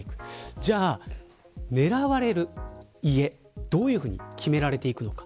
じゃあ狙われる家どういうふうに決められていくのか。